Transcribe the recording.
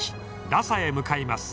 ラサへ向かいます。